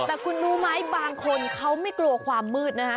แต่คุณรู้ไหมบางคนเขาไม่กลัวความมืดนะคะ